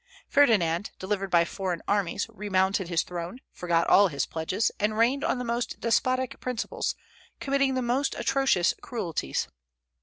Ferdinand, delivered by foreign armies, remounted his throne, forgot all his pledges, and reigned on the most despotic principles, committing the most atrocious cruelties.